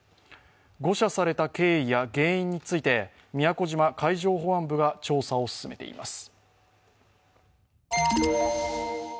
誤射された経緯や原因について宮古島海上保安部が調査を進めています。